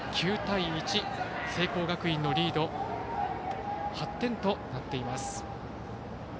９対１聖光学院のリードは８点となっています。